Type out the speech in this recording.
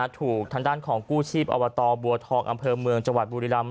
ถูกทางด้านของกู้ชีพอบตบัวทองอำเภอเมืองจังหวัดบุรีรำ